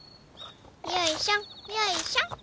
よいしょよいしょ。